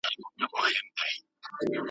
حق څوک نه سي اخیستلای په زاریو `